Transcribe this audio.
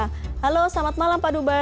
halo selamat malam pak duba